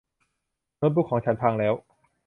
โน้ตบุ๊คของฉันพังแล้ว